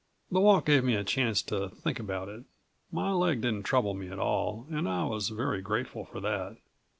The walk gave me a chance to think about it. My leg didn't trouble me at all and I was very grateful for that....